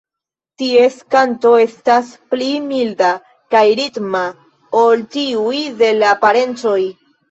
Ties kanto estas pli milda kaj ritma ol tiuj de la parencoj.